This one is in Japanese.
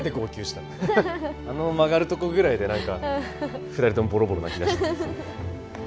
あの曲がるとこぐらいで何か２人ともボロボロ泣き出した。